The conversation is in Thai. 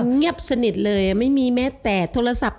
เงียบสนิทเลยไม่มีแม้แต่โทรศัพท์